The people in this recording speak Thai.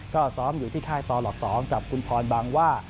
ก็ซ้อมอยู่ที่ค่ายต่อหลัก๒กับคุณพรบางว่า